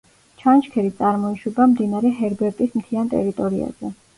ჩანჩქერი წარმოიშვება მდინარე ჰერბერტის მთიან ტერიტორიაზე.